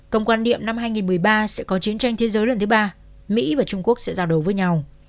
còn quan niệm năm hai nghìn một mươi ba sẽ có chiến tranh thế giới lần thứ ba mỹ và trung quốc sẽ giao đấu với nhau